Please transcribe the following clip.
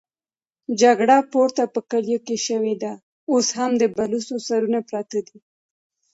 جګړه پورته په کليو کې شوې ده، اوس هم د بلوڅو سرونه پراته دي.